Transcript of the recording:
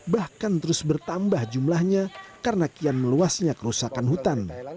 bahkan terus bertambah jumlahnya karena kian meluasnya kerusakan hutan